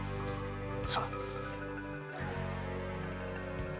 さあ。